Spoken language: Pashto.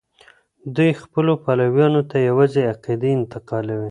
دوی خپلو پلويانو ته يوازې عقدې انتقال کړې.